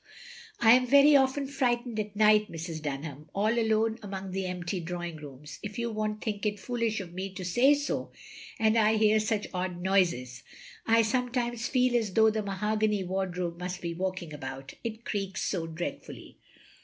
I am very often frightened at night, Mrs. Dtmham — ^all alone among the empty drawing rooms — if you won't think it foolish of me to say so, and I hear such odd noises. I sometimes feel as though the mahogany wardrobe must be walking about; it creaks so dreadfully."